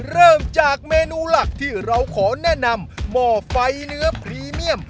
เริ่มจากเมนูหลักที่เราขอแนะนำหม้อไฟเนื้อพรีเมียม